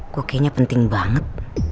gue kayaknya penting banget